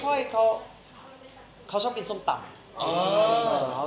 เขาไม่ค่อยเขาชอบกินส้มตำ